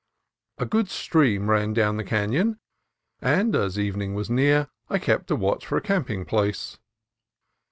A good stream ran down the canon, and as evening was near I kept a watch for a camping place.